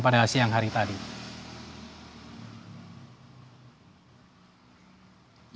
apakah opisinya sengaja tiba tiba sih